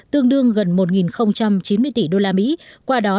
tương đương gần một chín mươi tỷ usd qua đó